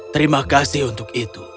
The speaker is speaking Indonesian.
terima kasih untuk itu